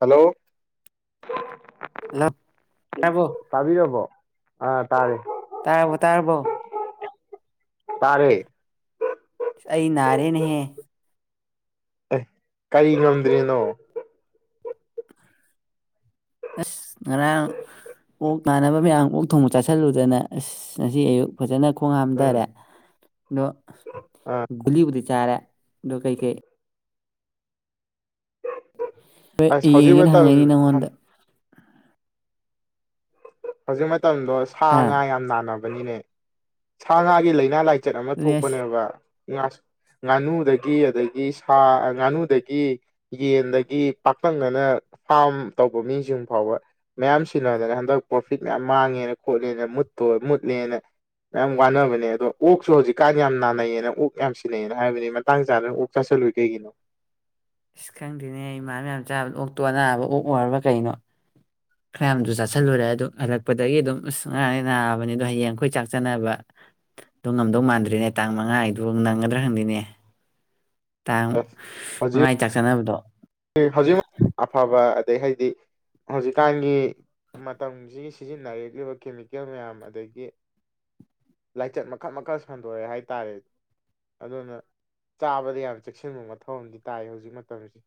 Hello ꯌꯞ ꯇꯥꯕꯣ ꯑ ꯇꯥꯔꯦ ꯇꯥꯔꯕꯣ ꯇꯥꯔꯕꯣ ꯇꯥꯔꯦ ꯑꯩ ꯅꯥꯔꯦꯅꯍꯦ ꯑꯦ ꯀꯔꯤ ꯉꯝꯗ꯭ꯔꯤꯅꯣ ꯑꯁ ꯉꯔꯥꯡ ꯑꯣꯛ ꯏꯃꯥꯟꯅꯕ ꯃꯌꯥꯝ ꯑꯣꯛ ꯊꯣꯡꯕ ꯆꯥꯁꯤꯜꯂꯨꯗꯅ ꯑꯁ ꯉꯁꯤ ꯑꯌꯨꯛ ꯐꯖꯅ ꯈꯣꯡ ꯎꯝ ꯍꯥꯥꯝꯊꯔꯦ ꯑꯗꯣ ꯑꯥ ꯒꯨꯂꯤꯕꯨꯗꯤ ꯆꯥꯔꯦ ꯑꯗꯨ ꯀꯩ ꯀꯩ ꯑꯁ ꯍꯣꯏ ꯍꯧꯖꯤꯛ ꯌꯦꯡꯒꯦꯅ ꯃꯇꯝ ꯍꯪꯉꯛꯏꯅꯤ ꯅꯪꯉꯣꯟꯗ꯫ ꯍꯧꯖꯤꯛꯃꯛ ꯃꯇꯝꯗꯣ ꯁꯥ ꯉꯥ ꯍꯥ ꯌꯥꯝ ꯅꯥꯅꯕ [unintelligible] ꯅꯦ ꯁꯥ ꯉꯥꯒꯤ ꯂꯥꯏꯅꯥ ꯂꯥꯏ ꯆꯠ ꯑꯃ ꯑꯗꯨꯅꯦ ꯑꯁ ꯊꯣꯛꯄꯅꯦꯕ ꯉꯥꯅꯨꯗꯒꯤ ꯑꯗꯒꯤ ꯁꯥ ꯉꯥꯅꯨꯗꯒꯤ ꯌꯦꯟꯗꯒꯤ ꯄꯥꯛꯇꯛꯅꯅ ꯐꯥꯝ ꯇꯧꯕ ꯃꯤꯁꯤꯡ ꯐꯥꯎꯕ ꯃꯌꯥꯝ ꯁꯤꯟꯅꯗꯅ ꯍꯟꯗꯛ ꯄ꯭ꯔꯣꯐꯤꯠ ꯃꯌꯥꯝ ꯃꯥꯡꯉꯦꯅ ꯈꯣꯠꯂꯦꯅ ꯃꯨꯠꯇꯣ ꯃꯨꯠꯂꯦꯅ ꯃꯌꯥꯝ ꯋꯥꯅꯕꯅꯦ ꯑꯗꯣ ꯑꯣꯛꯁꯨ ꯍꯧꯖꯤꯛꯀꯥꯟ ꯌꯥꯝ ꯅꯥꯅꯩꯌꯦꯅ ꯑꯣꯛ ꯌꯥꯝ ꯁꯤꯅꯩꯑꯦꯅ ꯍꯥꯏꯕꯅꯤ ꯃꯇꯥꯡ ꯆꯥꯗꯅ ꯑꯣꯛ ꯆꯥꯁꯤꯜꯂꯨꯏ ꯀꯩꯒꯤꯅꯣ ꯑꯁ ꯈꯪꯗꯦꯅꯦ ꯏꯃꯥꯅꯕ ꯃꯌꯥꯝ ꯆꯥꯕꯗ ꯑꯣꯛꯇꯣ ꯑꯅꯥꯕ ꯑꯣꯛ ꯑꯣꯏꯔꯕ ꯀꯩꯅꯣ ꯈꯔꯌꯥꯝꯁꯨ ꯆꯥꯁꯤꯜꯂꯨꯔꯦ ꯑꯗꯨ ꯍꯜꯂꯛꯄꯗꯒꯤ ꯑꯗꯨꯝ ꯑꯁ ꯉꯔꯥꯡꯗꯩ ꯅꯥꯕꯅꯦ ꯑꯗꯣ ꯍꯌꯦꯡ ꯑꯩꯈꯣꯏ ꯆꯥꯛ ꯆꯅꯕꯗꯣ ꯉꯝꯗꯧ ꯃꯥꯟꯗ꯭ꯔꯦꯅꯦ ꯇꯥꯡ ꯃꯉꯥ ꯍꯥꯏꯗꯣ ꯅꯪꯒꯗ꯭ꯔꯥ ꯈꯪꯗꯦꯅꯦ ꯇꯥꯡ ꯑꯁ ꯍꯧꯖꯤꯛ ꯃꯉꯥꯥꯏ ꯆꯥꯛ ꯆꯠꯅꯕꯗꯣ ꯍꯧꯖꯤꯛ ꯑꯐꯕ ꯑꯗꯩ ꯍꯥꯏꯗꯤ ꯍꯧꯖꯤꯛꯀꯥꯟꯒꯤ ꯃꯇꯝꯁꯤꯒꯤ ꯁꯤꯖꯤꯟꯅꯔꯛꯂꯤꯕ ꯀꯦꯃꯤꯀꯦꯜ ꯃꯌꯥꯝ ꯑꯗꯒꯤ ꯂꯥꯏꯆꯠ ꯃꯈꯜ ꯃꯈꯜ ꯁꯟꯗꯣꯔꯛꯑꯦ ꯍꯥꯏꯇꯥꯔꯦ ꯑꯗꯨꯅ ꯆꯥꯕꯗ ꯌꯥꯝ ꯆꯦꯛꯁꯤꯟꯕ ꯃꯊꯧ ꯑꯃꯗꯤ ꯇꯥꯏ ꯍꯧꯖꯤꯛ ꯃꯇꯝꯁꯦ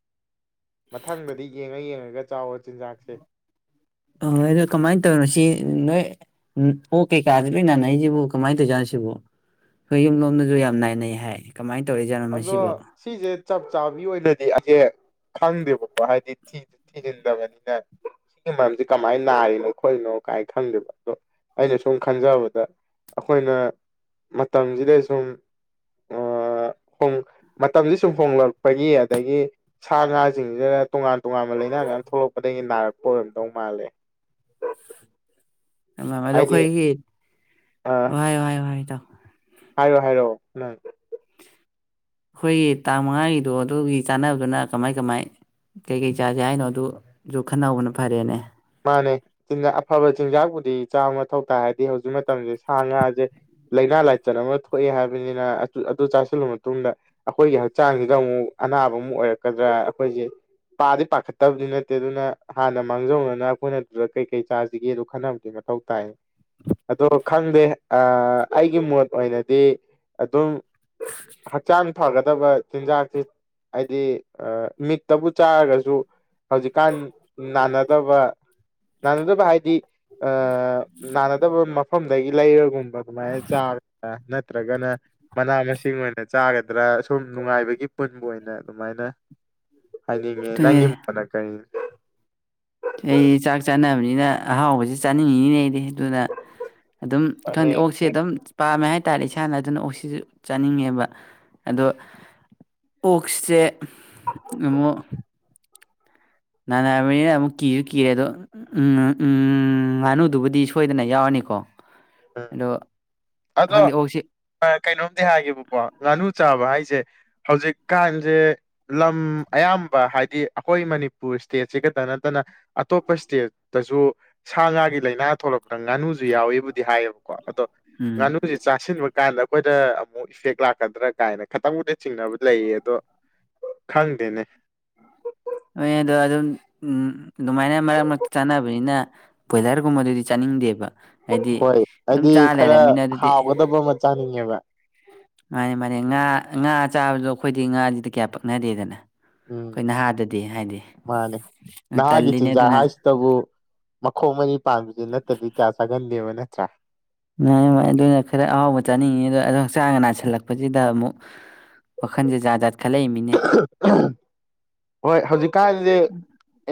ꯃꯊꯪꯗꯗꯤ ꯌꯦꯡꯉ ꯌꯦꯡꯉꯒ ꯆꯥꯑꯣ ꯆꯤꯟꯖꯥꯥꯛꯁꯦ ꯍꯣꯏ ꯑꯗꯣ ꯀꯃꯥꯏꯅ ꯇꯧꯔꯤꯅꯣ ꯁꯤ ꯅꯣꯏ ꯑꯣꯛ ꯀꯩꯀꯥꯗ ꯂꯣꯏ ꯅꯥꯅꯩꯁꯤꯕꯨ ꯀꯃꯥꯏꯅ ꯇꯧꯔꯤꯖꯥꯠꯅꯣ ꯁꯤꯕꯨ ꯑꯩꯈꯣꯏ ꯌꯨꯝ ꯂꯣꯝꯗꯁꯨ ꯌꯥꯝ ꯅꯥꯅꯩ ꯍꯥꯏ ꯀꯃꯥꯏꯅ ꯇꯧꯔꯤꯖꯥꯠꯅꯣ ꯑꯗꯣ ꯃꯁꯤꯕꯣ ꯁꯤꯁꯦ ꯆꯞ ꯆꯥꯕꯤ ꯑꯣꯏꯅꯗꯤ ꯑꯩꯁꯦ ꯈꯪꯗꯦꯕꯀꯣ ꯍꯥꯏꯗꯤ ꯊꯤꯖꯤꯟꯗꯕꯅꯤꯅ ꯁꯤꯒꯤ ꯃꯔꯝꯁꯦ ꯀꯃꯥꯏꯅ ꯅꯥꯔꯤꯅꯣ ꯈꯣꯠꯂꯤꯅꯣ ꯀꯥꯏꯅ ꯈꯪꯗꯦꯕ ꯑꯗꯣ ꯑꯩꯅ ꯁꯨꯝ ꯈꯟꯖꯕꯗ ꯑꯩꯈꯣꯏꯅ ꯃꯇꯝꯁꯤꯗ ꯁꯨꯝ ꯑꯥ ꯃꯇꯝꯁ ꯁꯨꯝ ꯍꯣꯡꯂꯛꯄꯒꯤ ꯑꯗꯒꯤ ꯁꯥ ꯉꯥꯁꯤꯡꯁꯤꯅ ꯇꯣꯉꯥꯟ ꯇꯣꯉꯥꯟꯕ ꯂꯥꯏꯅꯥ ꯃꯌꯥꯝ ꯊꯣꯛꯂꯛꯄꯗꯒꯤ ꯅꯥꯔꯛꯄ ꯑꯣꯏꯔꯝꯗꯧ ꯃꯥꯜꯂꯦ [inaudible] ꯑꯗꯣ ꯍꯥꯏꯗꯤ ꯑꯩꯈꯣꯏꯒꯤ ꯍꯥꯏꯑꯣ ꯍꯥꯏꯑꯣ ꯏꯇꯥꯎ ꯍꯥꯏꯔꯛꯑꯣ ꯍꯥꯏꯔꯛꯑꯣ ꯅꯪ ꯑꯩꯈꯣꯏꯒꯤ ꯇꯥꯡ ꯃꯉꯥꯒꯤꯗꯣ ꯑꯗꯨꯒꯤ ꯆꯥꯟꯅꯕꯗꯨꯅ ꯀꯃꯥꯏ ꯀꯃꯥꯏ ꯀꯩꯀꯩ ꯆꯥꯁꯦ ꯍꯥꯏꯅꯣ ꯑꯗꯨꯁꯨ ꯈꯟꯅꯍꯧꯕꯅ ꯐꯔꯦꯅꯦ ꯃꯥꯟꯅꯦ ꯑꯐꯕ ꯆꯤꯟꯖꯥꯛꯄꯨꯗꯤ ꯆꯥꯕ ꯃꯊꯧ ꯇꯥꯏ ꯍꯥꯏꯔꯗꯤ ꯍꯧꯖꯤꯛ ꯃꯇꯝꯁꯦ ꯁꯥ ꯉꯥꯁꯦ ꯂꯥꯏꯅꯥ ꯂꯥꯏꯆꯠ ꯑꯃ ꯊꯣꯛꯑꯦ ꯍꯥꯏꯕꯅꯤꯅ ꯑꯗꯨ ꯆꯥꯁꯤꯜꯂꯨꯔ ꯃꯇꯨꯡꯗ ꯑꯩꯈꯣꯏꯒꯤ ꯍꯛꯆꯥꯡꯁꯤꯗ ꯑꯃꯨꯛ ꯑꯅꯥꯕ ꯑꯃꯨꯛ ꯑꯣꯏꯔꯛꯀꯗ꯭ꯔꯥ ꯑꯩꯈꯣꯏꯁꯦ ꯄꯥꯗꯤ ꯄꯥꯈꯠꯇꯕꯗꯤ ꯅꯠꯇꯦ ꯑꯗꯨꯅ ꯍꯥꯟꯅ ꯃꯥꯡꯖꯧꯅꯅ ꯑꯩꯈꯣꯏꯅ ꯑꯗꯨꯗ ꯀꯩꯀꯩ ꯆꯥꯁꯤꯒꯦꯗꯣ ꯈꯟꯅꯕꯒꯤ ꯃꯊꯧ ꯇꯥꯏ ꯑꯗꯣ ꯈꯪꯗꯦ ꯑꯩꯒꯤ ꯃꯣꯠ ꯑꯣꯏꯅꯗꯤ ꯑꯗꯨꯝ ꯍꯛꯆꯥꯡ ꯐꯒꯗꯕ ꯆꯤꯟꯖꯥꯛꯁꯤ ꯍꯥꯏꯗꯤ ꯃꯤꯠꯇꯕꯨ ꯆꯥꯔꯒꯁꯨ ꯍꯧꯖꯤꯛꯀꯥꯟ ꯅꯥꯅꯗꯕ ꯅꯥꯅꯗꯕ ꯍꯥꯏꯗꯤ ꯑ ꯅꯥꯅꯗꯕ ꯃꯐꯝꯗꯒꯤ ꯂꯩꯔꯒꯨꯝꯕ ꯑꯗꯨꯃꯥꯏꯅ ꯆꯥꯒꯗ꯭ꯔꯥ ꯅꯠꯇ꯭ꯔꯒꯅ ꯃꯅꯥ ꯃꯁꯤꯡ ꯑꯣꯏꯅ ꯆꯥꯒꯗ꯭ꯔꯥ ꯁꯨꯝ ꯅꯨꯡꯉꯥꯏꯕꯒꯤ ꯄꯨꯟꯕ ꯑꯣꯏꯅ ꯑꯗꯨꯃꯥꯏꯅ ꯍꯥꯏꯅꯤꯡꯉꯦ ꯅꯪꯒꯤ ꯑꯗꯨꯅꯦ ꯃꯣꯠꯅ ꯀꯔꯤ ꯑꯩꯗꯤ ꯆꯥꯛ ꯆꯥꯅꯕꯅꯤꯅ ꯑꯍꯥꯎꯕꯁꯤ ꯆꯥꯅꯤꯡꯉꯤꯅꯤꯅꯦ ꯑꯩꯗꯤ ꯑꯗꯨꯅ ꯑꯗꯨꯝ ꯈꯪꯗꯦ ꯑꯣꯛꯁꯦ ꯑꯗꯨꯝ ꯄꯥꯝꯃꯦ ꯍꯥꯏꯇꯥꯔꯦ ꯏꯁꯥꯅ ꯑꯗꯨꯅ ꯑꯣꯛꯁꯤꯁꯨ ꯆꯥꯅꯤꯡꯉꯦꯕ ꯑꯗꯣ ꯑꯣꯛꯁꯦ ꯑꯃꯨꯛ ꯅꯥꯅꯔꯕꯅꯤꯅ ꯑꯃꯨꯛ ꯀꯤꯁꯨ ꯀꯤꯔꯦ ꯑꯗꯣ ꯎꯝ ꯎꯝ ꯉꯥꯅꯨꯗꯨꯕꯨꯗꯤ ꯁꯣꯏꯗꯅ ꯌꯥꯎꯔꯅꯤꯀꯣ ꯎꯝ ꯑꯗꯣ ꯑꯗꯣ ꯈꯪꯗꯦ ꯑꯣꯛꯁꯤ ꯀꯩꯅꯣꯝꯗꯤ ꯍꯥꯏꯒꯦꯕꯀꯣ ꯉꯥꯅꯨ ꯆꯥꯕ ꯍꯥꯏ ꯑꯩꯁꯦ ꯍꯧꯖꯤꯛꯀꯥꯟꯁꯦ ꯂꯝ ꯑꯌꯥꯝꯕ ꯍꯥꯏꯗꯤ ꯑꯩꯈꯣꯏ ꯃꯅꯤꯄꯨꯔ ꯏꯁꯇꯦꯠꯁꯤꯒꯇ ꯅꯠꯇꯅ ꯑꯇꯣꯞꯄ ꯏꯁꯇꯦꯠꯇꯁꯨ ꯁꯥ ꯉꯥꯒꯤ ꯂꯥꯏꯅꯥ ꯊꯣꯛꯂꯛꯄꯗ ꯉꯥꯅꯨꯁꯨ ꯌꯥꯎꯋꯤꯕꯨꯗꯤ ꯗꯤ ꯍꯥꯏꯌꯦꯕꯀꯣ ꯑꯗꯣ ꯎꯝ ꯉꯥꯅꯨꯁꯦ ꯆꯥꯁꯤꯟꯕ ꯀꯥꯟꯗ ꯑꯩꯈꯣꯏꯗ ꯑꯃꯨꯛ ꯏꯐꯦꯛ ꯂꯥꯛꯀꯗ꯭ꯔꯥ ꯀꯥꯏꯅ ꯈꯤꯇꯪꯕꯨꯗꯤ ꯆꯤꯡꯅꯕ ꯂꯩꯌꯦ ꯑꯗꯣ ꯈꯪꯗꯦꯅꯦ ꯍꯣꯏ ꯑꯗꯣ ꯑꯗꯨꯝ ꯑꯗꯨꯃꯥꯏꯅ ꯃꯔꯛ ꯃꯔꯛꯇ ꯆꯥꯅꯕꯅꯤꯅ ꯕꯣꯏꯂꯔꯒꯨꯝꯕꯗꯨꯗꯤ ꯆꯥꯅꯤꯡꯗꯦꯕ ꯍꯥꯏꯗꯤ ꯍꯣꯏ ꯑꯗꯨꯝ ꯑꯩꯗꯤ ꯆꯥ ꯈꯔ ꯂꯩꯔꯃꯤꯅ ꯑꯗꯨꯗꯤ ꯍꯥꯎꯒꯗꯕ ꯑꯃ ꯆꯥꯅꯤꯡꯉꯦꯕ ꯃꯥꯅꯤ ꯃꯥꯅꯤ ꯉꯥ ꯉꯥ ꯆꯥꯕꯗꯣ ꯑꯩꯈꯣꯏꯗꯤ ꯉꯥꯁꯤꯗꯤ ꯀꯌꯥ ꯄꯛꯅꯗꯦꯗꯅ ꯎꯝ ꯑꯩꯈꯣꯏ ꯅꯍꯥꯗꯗꯤ ꯍꯥꯏꯗꯤ ꯃꯥꯟꯅꯦ ꯅꯍꯥꯒꯤ ꯇꯜꯂꯤꯅꯦ ꯆꯤꯟꯖꯥꯛ ꯑꯗꯨꯅ ꯍꯥꯏꯁꯤꯇꯕꯨ ꯃꯈꯣꯡ ꯑꯅꯤ ꯄꯥꯟꯕꯁ ꯅꯠꯇ꯭ꯔꯗꯤ ꯀꯌꯥ ꯆꯥꯒꯟꯗꯦꯕ ꯅꯠꯇ꯭ꯔꯥ ꯥꯏ ꯃꯥꯏ ꯑꯗꯨꯅ ꯈꯔ ꯑꯍꯥꯎꯕ ꯆꯥꯅꯤꯡꯉꯤ ꯑꯗꯣ ꯑꯗꯣ ꯍꯛꯆꯥꯡꯗ ꯅꯥꯁꯤꯜꯂꯛꯄꯁꯤꯗ ꯑꯃꯨꯛ ꯋꯥꯈꯟꯁꯦ ꯖꯥꯠꯖꯥꯠ ꯍꯣꯏ ꯍꯧꯖꯤꯛꯀꯥꯟꯗꯤ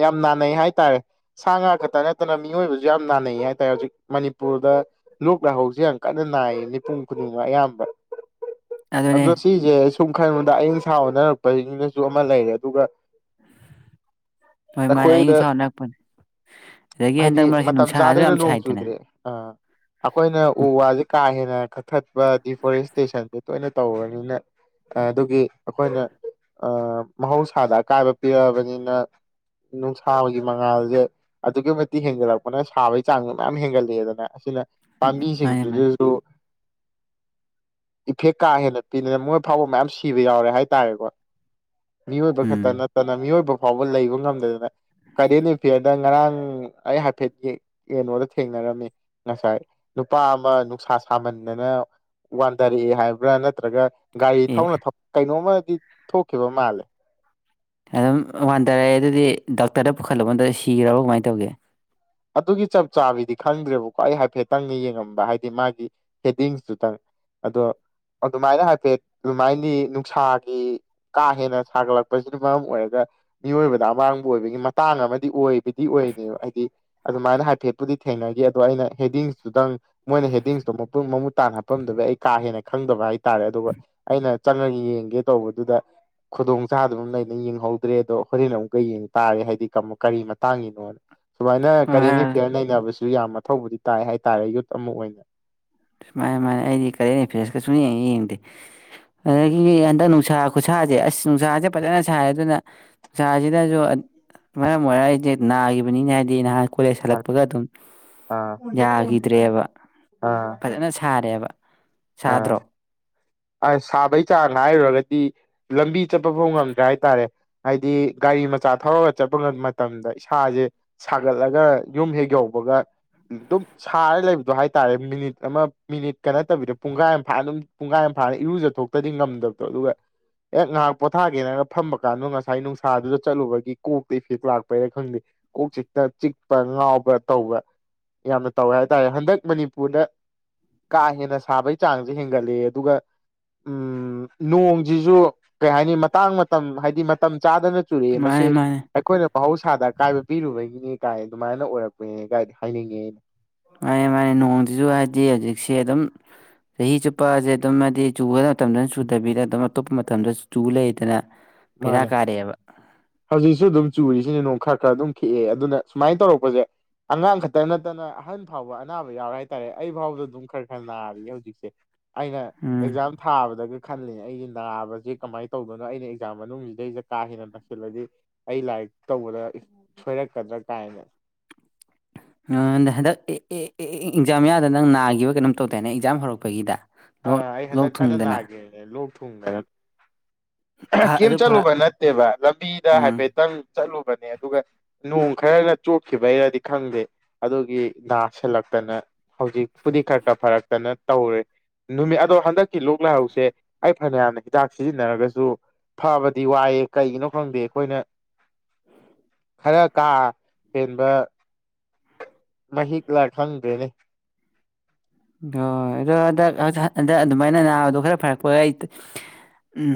ꯌꯥꯝ ꯥꯟꯅꯩ ꯍꯥꯏ ꯍꯥꯏ ꯇꯔꯦ ꯁꯥ ꯉꯥ ꯈꯛꯇ ꯅꯠꯇꯅ ꯃꯤꯑꯣꯏꯕꯁꯨ ꯌꯥꯝ ꯅꯥꯅꯩ ꯍꯥꯏꯇꯥꯔꯦ ꯍꯧꯖꯤꯛ ꯃꯅꯤꯄꯨꯔꯗ ꯂꯣꯛ ꯂꯥꯍꯧꯁꯤ ꯌꯥꯝ ꯀꯟꯅ ꯅꯥꯏꯌꯦ ꯃꯤꯄꯨꯝ ꯈꯨꯗꯤꯡꯃꯛ ꯑꯌꯥꯝꯕ ꯑꯗꯨꯅꯦ ꯑꯗꯣ ꯁꯤꯁꯦ ꯁꯨꯝ ꯈꯟꯕꯗ ꯑꯌ ꯁꯥꯥꯎꯅ ꯄꯔꯤꯅꯤꯅꯁꯨ ꯑꯃ ꯂꯩꯔꯦ ꯑꯗꯨꯒ ꯍꯣꯏ ꯃꯥꯅꯦ ꯑꯩꯈꯣꯏꯗ ꯑꯩꯅꯁꯥ ꯍꯠꯅꯔꯛꯄꯅꯦ ꯑꯗꯒꯤ ꯍꯥꯏꯗꯤ ꯍꯟꯗꯛ ꯃꯔꯛꯁꯤ ꯃꯇꯝ ꯅꯨꯡꯁꯥꯁꯨ ꯆꯥꯗꯅ ꯌꯥꯝ ꯅꯣꯡ ꯁꯥꯏꯗꯅꯦ ꯆꯨꯗ꯭ꯔꯦ ꯑꯥ ꯑꯩꯈꯣꯏꯅ ꯎ ꯋꯥꯁꯦ ꯀꯥ ꯍꯦꯟꯅ ꯀꯛꯊꯠꯄ ꯗꯤꯐꯣꯔꯦꯁꯇꯦꯁꯟꯁꯦ ꯇꯣꯏꯅ ꯇꯧꯔꯕꯅꯤꯅ ꯑꯗꯨꯒꯤ ꯑꯩꯈꯣꯏꯅ ꯃꯍꯧꯁꯥꯗ ꯑꯀꯥꯏꯕ ꯄꯤꯔꯛꯑꯕꯅꯤꯅ ꯅꯨꯡꯁꯥꯕꯒꯤ ꯃꯉꯥꯜꯁꯦ ꯑꯗꯨꯛꯀꯤ ꯃꯇꯤꯛ ꯍꯦꯟꯒꯠꯂꯛꯄꯅ ꯁꯥꯕꯒꯤ ꯆꯥꯡꯗꯣ ꯃꯌꯥꯝ ꯍꯦꯟꯒꯠꯂꯛꯑꯦꯗꯅ ꯑꯁꯤꯅ ꯃꯥꯅꯦ ꯃꯥꯅꯦ ꯄꯥꯝꯕꯤꯁꯤꯡꯗꯨꯗꯁꯨ ꯏꯐꯦꯛ ꯀꯥ ꯍꯦꯟꯅ ꯄꯤꯅꯤꯅ ꯃꯣꯏ ꯐꯥꯎꯕ ꯃꯌꯥꯝ ꯁꯤꯕ ꯌꯥꯎꯔꯦ ꯍꯥꯏꯇꯥꯔꯦꯀꯣ ꯃꯤꯑꯣ ꯑꯣꯏꯕ ꯎꯝ ꯅꯠꯇꯅ ꯃꯤꯑꯣꯕ ꯐꯥꯎꯕ ꯂꯩꯕ ꯉꯝꯗꯗꯅ ꯀꯔꯦꯟ ꯑꯦꯐꯤꯌꯥꯔꯗ ꯉꯔꯥꯡ ꯑꯩ ꯍꯥꯏꯐꯦꯠ ꯀꯩꯅꯣꯗ ꯊꯦꯡꯅꯔꯝꯃꯤ ꯉꯁꯥꯏ ꯅꯨꯄꯥ ꯑꯃ ꯅꯨꯡꯁꯥ ꯁꯥꯃꯟꯗꯅ ꯋꯥꯟꯊꯔꯛꯑꯦ ꯍꯥꯏꯕ꯭ꯔꯥ ꯅꯠꯇ꯭ꯔꯒ ꯒꯥꯔꯤ ꯑꯦ ꯊꯧꯅ ꯀꯩꯅꯣꯝꯃ ꯑꯦ ꯊꯣꯛ ꯀꯦꯕ ꯃꯥꯂꯦ ꯑꯗꯨꯝ ꯋꯥꯟꯊꯔꯛꯑꯦ ꯑꯗꯨꯗꯤ ꯗꯥꯛꯇꯔꯗ ꯄꯨꯈꯠꯂꯛꯄꯗ ꯁꯤꯈ꯭ꯔꯕ ꯀꯃꯥꯏꯅ ꯇꯧꯒꯦ ꯑꯗꯨꯒꯤ ꯆꯞ ꯆꯥꯕꯤꯗꯤ ꯈꯪꯗ꯭ꯔꯦꯕꯀꯣ ꯑꯩ ꯍꯥꯏꯐꯦꯠꯇꯪꯅ ꯌꯦꯡꯉꯝꯕ ꯍꯥꯏꯗꯤ ꯃꯥꯒꯤ ꯍꯦꯗꯤꯡꯁꯇꯨꯇꯪ ꯑꯗꯣ ꯑꯗꯨꯃꯥꯏꯅ ꯍꯥꯏꯐꯦꯠ ꯑꯗꯨꯃꯥꯏꯗꯤ ꯅꯨꯡꯁꯥꯒꯤ ꯀꯥ ꯍꯦꯟꯅ ꯁꯥꯒꯠꯂꯛꯄꯁꯤꯅ ꯃꯔꯝ ꯑꯣꯏꯔꯒ ꯃꯤꯑꯣꯏꯕꯗ ꯑꯃꯥꯡꯕ ꯑꯣꯏꯕꯒꯤ ꯃꯇꯥꯡ ꯑꯃꯗꯤ ꯑꯣꯏꯕ ꯕꯤꯗꯤ ꯑꯣꯏꯅꯦꯕ ꯍꯥꯏꯗꯤ ꯑꯗꯨꯃꯥꯏꯅ ꯍꯥꯏꯐꯦꯠꯄꯨꯗꯤ ꯊꯦꯡꯅꯈꯤ ꯑꯗꯣ ꯑꯩꯅ ꯍꯦꯗꯤꯡꯁꯇꯨꯗꯪ ꯃꯣꯏꯅ ꯍꯦꯗꯤꯡꯁꯇꯣ ꯃꯃꯨꯠ ꯇꯥꯅ ꯍꯥꯞꯐꯝꯗꯕꯤ ꯑꯩ ꯀꯥ ꯍꯦꯟꯅ ꯈꯪꯗꯕ ꯍꯥꯏꯇꯥꯥꯔꯦ ꯑꯗꯨꯒ ꯑꯩꯅ ꯆꯪꯉꯒ ꯌꯦꯡꯒꯦ ꯇꯧꯕꯗꯨꯗ ꯈꯨꯗꯣꯡ ꯆꯥꯗꯨ ꯑꯃ ꯂꯩꯅ ꯌꯦꯡꯍꯧꯗ꯭ꯔꯦ ꯑꯗꯣ ꯍꯣꯔꯦꯟ ꯑꯃꯨꯛꯀ ꯌꯦꯡ ꯇꯥꯔꯦ ꯍꯥꯏꯗꯤ ꯀꯔꯤ ꯃꯇꯥꯡꯒꯤꯅꯣꯅ ꯁꯨꯃꯥꯏꯅ ꯀꯔꯦꯟ ꯑꯦꯐꯤꯌꯔ ꯃꯥꯅꯦ ꯅꯩꯅꯕꯁꯨ ꯌꯥꯝꯅ ꯑꯊꯧꯕꯗꯤ ꯇꯥꯏ ꯍꯥꯏꯦ ꯇꯥꯔꯦ ꯌꯨꯠ ꯑꯃ ꯑꯣꯏꯅ ꯁꯨꯃꯥꯏ ꯁꯃꯥꯏꯅ ꯑꯩꯗꯤ ꯀꯔꯦꯟ ꯑꯦꯐꯤꯌꯔꯁꯀ ꯁꯨꯝ ꯌꯦꯡꯉ ꯌꯦꯡꯗꯦ ꯑꯗꯨꯗꯒꯤ ꯍꯟꯗꯛ ꯅꯨꯡꯁꯥ ꯈꯨꯠꯁꯥꯁꯦ ꯑꯁ ꯅꯨꯡꯁꯥꯁꯦ ꯐꯖꯅ ꯁꯥꯏ ꯑꯗꯨꯅ ꯅꯨꯡꯁꯥꯁꯤꯗꯁꯨ ꯃꯔꯝ ꯑꯣꯏꯔꯒ ꯑꯩꯁꯦ ꯅꯥꯈꯤꯕꯅꯤꯅ ꯍꯥꯏꯗꯤ ꯅꯍꯥꯛ ꯀꯣꯂꯦꯖ ꯍꯜꯂꯛꯄꯒ ꯑꯗꯨꯝ ꯑꯥ ꯌꯥꯈꯤꯗ꯭ꯔꯦꯕ ꯑꯥ ꯐꯖꯅ ꯁꯥꯔꯦꯕ ꯑꯥ ꯆꯥꯗ꯭ꯔꯣ ꯑ ꯁꯥꯕꯩ ꯆꯥꯡ ꯉꯥꯏꯔꯨꯔꯒꯗꯤ ꯂꯝꯕꯤ ꯆꯠꯄ ꯐꯥꯎ ꯉꯝꯗ꯭ꯔꯦ ꯍꯥꯏ ꯇꯔꯦ ꯍꯥꯏꯗꯤ ꯒꯥꯔꯤ ꯃꯆꯥ ꯊꯧꯔꯒ ꯆꯠꯄ ꯃꯇꯝꯗ ꯏꯁꯥꯁꯦ ꯁꯥꯒꯠꯂꯒ ꯌꯨꯝ ꯍꯦꯛ ꯌꯧꯕꯒ ꯑꯗꯨꯝ ꯁꯥꯔ ꯂꯩꯕꯗꯣ ꯍꯥꯏ ꯇꯥꯔꯦ ꯃꯤꯅꯤꯠ ꯑꯃ ꯃꯤꯅꯤꯠꯀ ꯅꯠꯇꯕꯤꯗ ꯄꯨꯡꯈꯥꯏ ꯑꯃ ꯐꯥꯏꯅ ꯑꯗꯨꯝ ꯄꯨꯡꯈꯥꯏ ꯑꯃ ꯁꯥꯅ ꯏꯔꯨꯖꯊꯣꯛꯇꯗꯤ ꯉꯝꯗꯕꯗꯣ ꯑꯗꯨꯒ ꯑꯦꯦꯛ ꯉꯥꯏꯍꯥꯛ ꯄꯣꯊꯥꯒꯦꯅꯒ ꯐꯝꯕ ꯀꯥꯟꯗꯣ ꯉꯁꯥꯏ ꯅꯨꯡꯁꯥꯗꯨꯗ ꯆꯠꯂꯨꯕꯒꯤ ꯀꯣꯛꯇ ꯏꯐꯦꯛ ꯂꯥꯛꯄꯩꯅ ꯈꯪꯗꯦ ꯀꯣꯛ ꯆꯤꯛꯇ ꯆꯤꯛꯄ ꯉꯥꯎꯕ ꯇꯧꯕ ꯌꯥꯝꯅ ꯇꯧꯋꯦ ꯍꯥꯏꯇꯥꯔꯦ ꯍꯟꯗꯛ ꯃꯅꯤꯄꯨꯔꯗ ꯀꯥ ꯍꯦꯟꯅ ꯁꯥꯕꯒꯤ ꯆꯥꯡꯁꯦ ꯍꯦꯟꯒꯠꯂꯛꯦ ꯑꯗꯨꯒ ꯎꯝ ꯅꯣꯡꯁꯤꯁꯨ ꯀꯩ ꯍꯥꯏꯅꯤ ꯃꯇꯥꯡ ꯃꯇꯝ ꯍꯥꯏꯗꯤ ꯃꯇꯝ ꯆꯥꯗꯅ ꯆꯨꯔꯛꯏ ꯃꯁꯤ ꯃꯥꯅꯦ ꯃꯥꯅꯦ ꯑꯩꯈꯣꯏꯅ ꯃꯍꯧꯁꯥꯗ ꯑꯀꯥꯏꯕ ꯄꯤꯔꯨꯕꯒꯤꯅꯦ ꯀꯥꯏ ꯑꯗꯨꯃꯥꯏꯅ ꯑꯣꯏꯔꯛꯄꯅꯦ ꯀꯥꯏ ꯍꯥꯏꯅꯤꯡꯉꯦ ꯑꯩꯅ ꯃꯥꯅꯦ ꯃꯥꯅꯦ ꯅꯣꯡꯁꯤꯁꯨ ꯍꯥꯏꯗꯤ ꯍꯧꯖꯤꯛꯁꯦ ꯑꯗꯨꯝ ꯆꯍꯤ ꯆꯨꯞꯄꯁꯦ ꯑꯗꯨꯝ ꯍꯥꯏꯗꯤ ꯆꯨꯒꯗ ꯃꯇꯝꯗ ꯆꯨꯗꯕꯤꯗ ꯑꯗꯨꯝ ꯑꯇꯣꯞꯄ ꯃꯇꯝꯗꯁꯨ ꯆꯨ ꯂꯩꯗꯅ ꯕꯦꯔꯥ ꯃꯥꯅꯦ ꯀꯥꯔꯛꯑꯦꯕ ꯍꯧꯖꯤꯛꯁꯨ ꯑꯗꯨꯝ ꯆꯨꯔꯤꯁꯤ ꯁꯤꯅ ꯅꯨꯡ ꯈꯔ ꯈꯔ ꯑꯗꯨꯝ ꯈꯤꯛꯑꯦ ꯑꯗꯨꯅ ꯁꯨꯃꯥꯏꯅ ꯇꯧꯔꯛꯄꯁꯦ ꯑꯉꯥꯡ ꯈꯛꯇ ꯅꯠꯇꯅ ꯑꯍꯟ ꯐꯥꯎꯕ ꯑꯅꯥꯕ ꯌꯥꯎꯔꯦ ꯍꯥꯏꯇꯥꯔꯦ ꯑꯩ ꯐꯥꯎꯕꯗ ꯑꯗꯨꯝ ꯈꯔ ꯈꯔ ꯅꯥꯔꯤꯌꯦ ꯍꯧꯖꯤꯛꯁꯦ ꯑꯩꯅ ꯎꯝ ꯑꯦꯛꯖꯥꯝ ꯊꯥꯕꯗꯒꯤ ꯈꯜꯂꯦ ꯑꯩ ꯅꯥꯕꯒꯤ ꯀꯃꯥꯏ ꯇꯧꯕꯅꯣ ꯑꯩꯅ ꯑꯦꯛꯖꯥꯝ ꯃꯅꯨꯡꯁꯤꯗꯩꯗ ꯀꯥ ꯍꯦꯟꯅ ꯅꯥꯁꯤꯜꯂꯗꯤ ꯑꯩ ꯂꯥꯏꯔꯤꯛ ꯇꯧꯕꯗ ꯁꯣꯏꯔꯛꯀꯗ꯭ꯔꯥ ꯀꯥꯏꯅ ꯑ ꯍꯟꯗꯛ ꯑꯦ ꯑꯦ ꯑꯦ ꯑꯦꯛꯖꯥꯝ ꯃꯌꯥꯗ ꯅꯪ ꯅꯥꯒꯤꯕ ꯀꯩꯅꯣꯝ ꯇꯧꯗꯥꯏꯅꯦ ꯑꯦꯛꯖꯥꯝ ꯍꯧꯔꯛꯄꯒꯤꯗ ꯑ ꯂꯣꯛ ꯑꯩ ꯂꯣꯛ ꯍꯟꯗꯛ ꯀꯟꯅ ꯊꯨꯡꯗꯅ ꯅꯥꯒꯤꯃꯦ ꯂꯣꯛ ꯊꯨꯡ ꯐ [inaudible] ꯀꯦꯝ ꯑꯗꯨ ꯐ ꯆꯠꯂꯨꯕ ꯅꯠꯇꯦꯕ ꯂꯝꯕꯤꯗ ꯎꯝ ꯍꯥꯏꯐꯦꯠꯇꯪ ꯆꯠꯂꯨꯕꯅꯦ ꯑꯗꯨꯒ ꯅꯣꯡ ꯈꯔꯅ ꯆꯣꯠꯈꯤꯕꯩꯔꯗꯤ ꯈꯪꯗꯦ ꯑꯗꯨꯒꯤ ꯅꯥꯁꯤꯜꯂꯛꯇꯅ ꯍꯧꯖꯤꯛꯄꯨꯗꯤ ꯈꯔ ꯈꯔ ꯐꯔꯛꯇꯅ ꯇꯧꯔꯦ꯫ ꯅꯨꯃꯤꯠ ꯑꯗꯣ ꯍꯟꯗꯛꯀꯤ ꯂꯣꯛ ꯂꯥꯏꯍꯧꯁꯦ ꯑꯩ ꯐꯅꯌꯥꯝꯅ ꯍꯤꯗꯥꯛ ꯁꯤꯖꯤꯟꯅꯔꯒꯁꯨ ꯐꯕꯗꯤ ꯋꯥꯏꯑꯦ ꯀꯩꯒꯤꯅꯣ ꯈꯪꯗꯦ ꯑꯩꯈꯣꯏꯅ [unintelligible] ꯈꯔ ꯀꯥ ꯍꯦꯟꯕ ꯃꯍꯤꯛꯂ ꯈꯪꯗ꯭ꯔꯦꯅꯦ꯫ ꯑꯣ ꯑꯗꯣ ꯍꯟꯗꯛ ꯍꯟꯗꯛ ꯑꯗꯨꯃꯥꯏꯅ ꯅꯥꯕꯗꯣ ꯈꯔ ꯐꯔꯛꯄ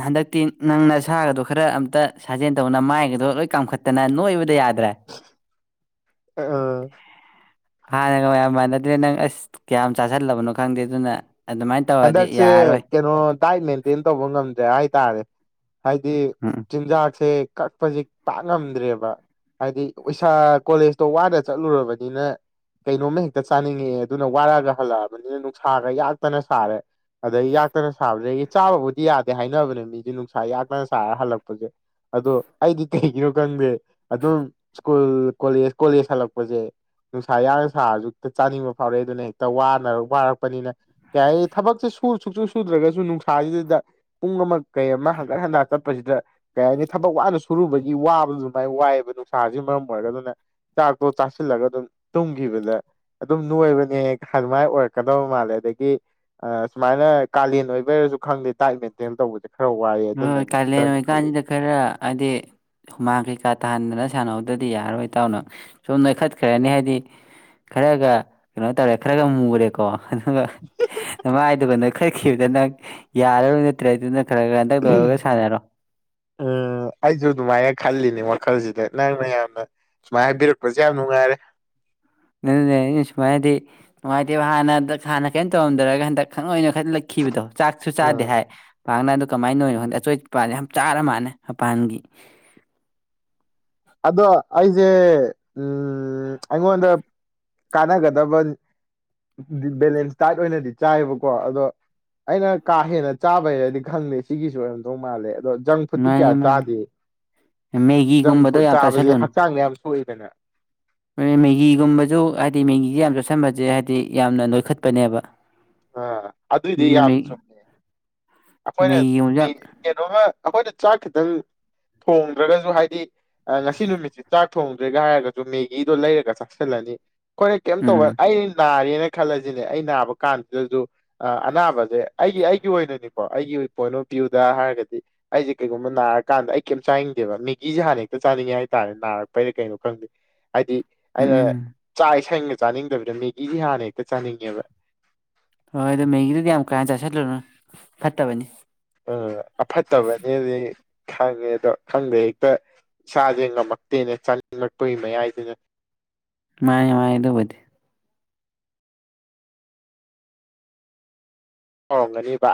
ꯍꯟꯗꯛꯇꯤ ꯅꯪꯅ ꯅꯁꯥꯒꯗꯣ ꯈꯔ ꯑꯝꯇ ꯁꯥꯖꯦꯟ ꯇꯧꯅ ꯅꯃꯥꯏꯒꯗꯣ ꯂꯣꯏ ꯀꯥꯝꯈꯠꯇꯅ ꯅꯣꯏꯕꯗ ꯌꯥꯗ ꯑꯥ ꯍꯥꯟꯅꯒ ꯃꯌꯥꯝ ꯃꯥꯟꯅꯗ꯭ꯔꯦ ꯅꯪ ꯑꯁ ꯀꯌꯥꯝ ꯆꯥꯥꯁꯜꯂꯕꯅꯣ ꯈꯪꯗꯦ ꯑꯗꯨꯅ ꯑꯗꯨꯃꯥꯏꯅ ꯇꯧꯔꯗꯤ ꯍꯟꯗꯛꯁꯦ ꯌꯥꯔꯔꯣꯏ ꯀꯩꯅꯣ ꯗꯥꯏꯠ ꯃꯦꯟꯇꯦꯟ ꯇꯧꯕ ꯉꯝ [unintelligible] ꯍꯥꯏ ꯇꯥꯔꯦ꯫ ꯍꯥꯏꯗꯤ ꯎꯝ ꯎꯝ ꯆꯤꯟꯖꯥꯛꯁꯦ ꯀꯛꯄꯖꯤ ꯄꯥꯛ ꯉꯝꯗ꯭ꯔꯦꯕ ꯍꯥꯏꯗꯤ ꯑꯣꯏꯁꯥ ꯀꯣꯂꯦꯖꯇꯣ ꯋꯥꯅ ꯆꯠꯂꯨꯔꯕꯅꯤꯅ ꯀꯩꯅꯣꯝꯃ ꯍꯦꯛꯇ ꯆꯥꯅꯤꯡꯉꯛꯑꯦ ꯑꯗꯨꯅ ꯋꯥꯔꯒ ꯍꯜꯂꯛꯑꯕꯅꯤꯅ ꯅꯨꯡꯁꯥꯒ ꯌꯥꯛꯇꯅ ꯁꯥꯔꯦ ꯑꯗꯩ ꯌꯥꯛꯇꯅ ꯁꯥꯕꯗꯒꯤ ꯆꯥꯕꯕꯨꯗꯤ ꯌꯥꯗꯦ ꯍꯥꯏꯅꯕꯅꯦ ꯃꯤꯗꯤ ꯅꯨꯡꯁꯥ ꯌꯥꯛꯇꯅ ꯁꯥꯔ ꯍꯜꯂꯛꯄꯖꯦ ꯑꯗꯣ ꯑꯩꯗꯤ ꯀꯩꯒꯤꯅꯣ ꯈꯪꯗꯦ ꯑꯗꯨꯝ ꯁ꯭ꯀꯨꯜ ꯀꯣꯂꯦꯖ ꯀꯣꯂꯦꯖ ꯍꯜꯂꯛꯄꯖꯦ ꯅꯨꯡꯁꯥ ꯌꯥꯛꯅ ꯁꯥꯔꯖꯨ ꯍꯦꯛꯇ ꯆꯥꯅꯤꯡꯕ ꯐꯥꯎꯔꯛꯑꯦ ꯑꯗꯨꯅ ꯍꯦꯛꯇ ꯋꯥꯅ ꯋꯥꯔꯛꯄꯅꯤꯅ ꯀꯩ ꯍꯥꯏꯅꯤ ꯊꯕꯛꯁꯦ ꯁꯨ ꯁꯨꯛꯁꯨ ꯁꯨꯗ꯭ꯔꯒꯁꯨ ꯅꯨꯡꯁꯥꯁꯤꯗ ꯄꯨꯡ ꯑꯃ ꯀꯩ ꯑꯃ ꯍꯟꯒꯠ ꯍꯟꯗ ꯆꯠꯄꯁꯤꯗ ꯀꯩ ꯍꯥꯏꯅꯤ ꯊꯕꯛ ꯋꯥꯅ ꯁꯨꯔꯨꯕꯒꯤ ꯋꯥꯕꯗ ꯑꯗꯨꯃꯥꯏꯅ ꯋꯥꯏꯑꯦꯕ ꯅꯨꯡꯁꯥꯁꯤꯅ ꯃꯔꯝ ꯑꯣꯏꯔꯒ ꯑꯗꯨꯅ ꯆꯥꯛꯇꯣ ꯆꯥꯁꯤꯜꯂꯒ ꯑꯗꯨꯝ ꯇꯨꯝꯈꯤꯕꯗ ꯑꯗꯨꯝ ꯅꯣꯏꯕꯅꯦ ꯑꯗꯨꯃꯥꯏ ꯑꯣꯏꯔꯛꯀꯗꯕ ꯃꯥꯜꯂꯦ ꯑꯗꯒꯤ ꯑ ꯁꯨꯃꯥꯏꯅ ꯀꯥꯂꯦꯟ ꯑꯣꯏꯕꯩꯔꯁꯨ ꯈꯪꯗꯦ ꯇꯥꯏꯠ ꯃꯦꯟꯇꯦꯜ ꯇꯧꯕꯖꯦ ꯍꯣꯏ ꯀꯥꯂꯦꯟ ꯑꯣꯏꯔꯤ ꯀꯥꯟꯁꯤꯗ ꯈꯔ ꯍꯥꯏꯗꯤ ꯍꯨꯃꯥꯡ ꯀꯩꯀꯥ ꯇꯥꯍꯟꯗꯅ ꯁꯥꯟꯅꯍꯧꯗꯔꯗꯤ ꯌꯥꯔꯔꯣꯏ ꯏꯇꯥꯎ ꯅꯪ ꯁꯨꯝ ꯅꯣꯏꯈꯠꯈ꯭ꯔꯅꯤ ꯍꯥꯏꯗꯤ ꯈꯔꯒ ꯀꯩꯅꯣ ꯇꯧꯔꯦ ꯈꯔꯒ ꯃꯨꯨꯔꯦꯀꯣ ꯑꯗꯨꯒ ꯅꯃꯥꯥꯏꯗꯨꯒ ꯅꯣꯏ ꯈꯠꯈꯤꯕꯗ ꯅꯪ ꯌꯥꯔꯔꯣꯏ ꯅꯠꯇ꯭ꯔꯗꯤ ꯅꯪ ꯈꯔ ꯈꯔ ꯍꯟꯗꯛ ꯎꯝ ꯇꯧꯔꯒ ꯁꯥꯟꯅꯔꯣ ꯑ ꯑꯩꯖꯨ ꯑꯗꯨꯃꯥꯏꯅ ꯈꯜꯂꯤꯅꯦ ꯋꯥꯈꯜꯖꯤꯗ ꯅꯪꯅ ꯌꯥꯝꯅ ꯁꯨꯃꯥꯏꯅ ꯍꯥꯏꯕꯤꯔꯛꯄꯖꯦ ꯌꯥꯝ ꯅꯨꯡꯉꯥꯏꯔꯦ꯫ ꯑꯗꯨꯅꯦ ꯑꯩꯅ ꯁꯨꯃꯥꯏꯅꯗꯤ ꯅꯨꯡꯉꯥꯏꯇꯦꯕ ꯍꯥꯟꯅ ꯍꯥꯟꯅ ꯀꯩꯝ ꯇꯧꯔꯝꯗꯔꯒ ꯍꯟꯗꯛ ꯈꯪꯅꯣꯏ ꯅꯣꯏ ꯈꯠꯂꯛꯈꯤꯕꯗꯣ ꯆꯥꯛꯁꯨ ꯆꯥꯗꯦ ꯎꯝ ꯍꯥꯏ ꯄꯥꯛꯅ ꯑꯗꯣ ꯀꯃꯥꯏ ꯅꯣꯢꯔꯤꯅꯣ ꯈꯪꯗꯦ ꯑꯆꯣꯏꯠꯄꯥꯖꯦ ꯌꯥꯝ ꯆꯥꯔ ꯃꯥꯥꯟꯂꯦ ꯃꯄꯥꯟꯒꯤ ꯑꯗꯣ ꯑꯩꯖꯦ ꯎꯝ ꯑꯩꯉꯣꯟꯗ ꯀꯥꯟꯅꯒꯗꯕ ꯕꯦꯂꯦꯟꯁ ꯗꯥꯏꯠ ꯑꯣꯏꯅꯗꯤ ꯆꯥꯏꯌꯦꯕꯀꯣ ꯑꯗꯣ ꯑꯩꯅ ꯀꯥ ꯍꯦꯟꯅ ꯆꯥꯕꯩꯔꯗꯤ ꯈꯪꯗꯦ ꯁꯤꯒꯤꯁꯨ ꯑꯣꯏꯔꯝꯗꯧ ꯃꯥꯜꯂꯦ꯫ ꯑꯗꯣ ꯖꯪ ꯐꯨꯗꯇꯤ ꯃꯥꯅꯤ ꯀꯌꯥ ꯃꯥꯅꯦ ꯆꯥꯗꯦ ꯃꯦꯒꯤꯒꯨꯝꯕꯗ ꯁꯦ ꯍꯛꯆꯥꯡꯅꯦ ꯁꯨꯣꯏꯕꯅ ꯃꯦꯒꯤꯒꯨꯝꯕꯁꯨ ꯍꯥꯏꯕꯗꯤ ꯃꯦꯒꯤꯁꯦ ꯌꯥꯝ ꯆꯣꯠꯁꯟꯕꯁꯦ ꯍꯥꯏꯕꯗꯤ ꯌꯥꯝꯅ ꯅꯣꯏꯈꯠꯄꯅꯦꯕ ꯑ ꯑꯗꯨꯏꯗꯤ ꯑꯗꯨꯅ ꯌꯥꯝ ꯃꯦ ꯆꯨꯝꯃꯦ ꯑꯩꯈꯣꯏꯅ ꯃꯦꯒꯤꯒꯨꯝꯕꯁꯨ ꯌꯥꯝ ꯀꯩꯅꯣꯝꯃ ꯑꯩꯈꯣꯏꯗ ꯆꯥꯛ ꯈꯤꯇꯪ ꯊꯣꯡꯗ꯭ꯔꯒꯁꯨ ꯍꯥꯏꯗꯤ ꯉꯁꯤ ꯅꯨꯃꯤꯠꯁꯤ ꯆꯥꯛ ꯊꯣꯡꯗ꯭ꯔꯦꯒ ꯍꯥꯏꯔꯒꯁꯨ ꯃꯦꯒꯤꯗꯣ ꯂꯩꯔꯒ ꯆꯥꯛꯁꯤꯜꯂꯅꯤ ꯑꯩꯈꯣꯏ ꯀꯦꯝ ꯇꯧꯕ ꯎꯝ ꯑꯩ ꯅꯥꯔꯤ ꯅꯔꯤꯅ ꯈꯜꯂꯁꯤꯅꯦ ꯑꯩ ꯅꯥꯕ ꯀꯥꯟꯁꯤꯗꯁꯨ ꯑꯅꯥꯕꯁꯦ ꯑꯩꯒꯤ ꯑꯩꯒꯤ ꯑꯣꯏꯅꯅꯦ ꯀꯣ ꯑꯩꯒꯤ ꯄꯣꯏꯟ ꯑꯣꯐ ꯚꯤꯌꯨꯗ ꯍꯥꯏꯔꯒꯗꯤ ꯑꯩꯁꯦ ꯀꯩꯒꯨꯝꯕ ꯅꯥꯔꯀꯥꯟꯗ ꯑꯩ ꯀꯩꯝ ꯆꯥꯅꯤꯡꯗꯦꯕ ꯃꯦꯒꯤꯁꯦ ꯍꯥꯟꯅ ꯍꯦꯛꯇ ꯆꯥꯅꯤꯡꯉꯦ ꯍꯥꯏ ꯇꯔꯦ ꯅꯥꯔꯛꯄꯩꯗ ꯀꯩꯅꯣ ꯈꯪꯗꯦ ꯍꯥꯏꯗꯤ ꯎꯝ ꯑꯩꯅ ꯎꯝ ꯆꯥꯛ ꯆꯥꯅꯤꯡꯗꯕꯤꯗ ꯃꯦꯒꯤ ꯍꯥꯟꯅ ꯍꯦꯛꯇ ꯆꯥꯅꯤꯡꯉꯦꯕ ꯍꯣꯏ ꯑꯗꯨ ꯃꯦꯒꯤꯗꯨꯗꯤ ꯌꯥꯝ ꯀꯥꯟ ꯆꯥꯁꯤꯠꯂꯨꯅꯨ ꯐꯠꯇꯕꯅꯤ ꯑ ꯑꯐꯠꯇꯕꯅꯦꯗꯤ ꯈꯪꯉꯦ ꯑꯗꯣ ꯈꯪꯗꯦ ꯍꯦꯛꯇ ꯏꯁꯥꯁꯦ ꯉꯝꯃꯛꯇꯦꯅꯦ ꯆꯥꯅꯤꯡꯂꯄꯒꯤ ꯃꯌꯥꯏꯗꯨꯅꯦ ꯃꯥꯅꯦ ꯃꯥꯅꯦ ꯑꯗꯨꯕꯨꯗꯤ ꯍꯥꯎꯔꯝꯒꯅꯤꯕ